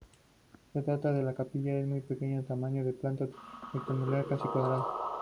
Se trata de una capilla de muy pequeño tamaño, de planta rectangular casi cuadrada.